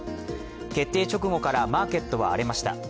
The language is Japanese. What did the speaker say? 決定直後からマーケットは荒れました。